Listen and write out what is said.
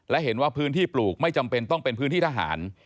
และเห็นว่าพื้นที่ปลูกไม่จำเป็นต้องเป็นพื้นที่ทหาร